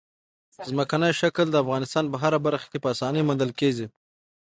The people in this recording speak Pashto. ځمکنی شکل د افغانستان په هره برخه کې په اسانۍ موندل کېږي.